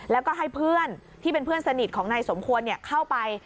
แล้วก็ให้เพื่อนที่เป็นเพื่อนสนิทของนายสมควรเข้าไป